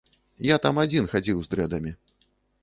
Я там адзін хадзіў з дрэдамі.